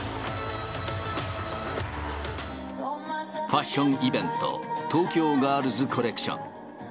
ファッションイベント、東京ガールズコレクション。